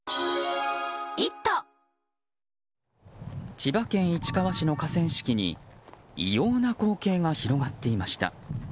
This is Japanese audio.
千葉県市川市の河川敷に異様な光景が広がっていました。